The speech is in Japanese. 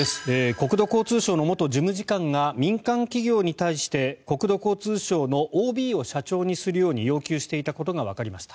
国土交通省の元事務次官が民間企業に対して国土交通省のＯＢを社長にするように要求していたことがわかりました。